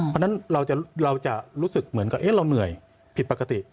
เพราะฉะนั้นเราจะรู้สึกเหมือนกับเราเหนื่อยผิดปกติ